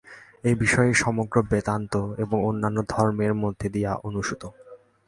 এই বিষয়ই সমগ্র বেদান্ত এবং অন্যান্য ধর্মের মধ্য দিয়া অনুস্যূত।